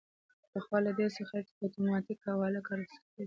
پخوا له دې څخه په اتوماتیک حواله کار اخیستل کیده.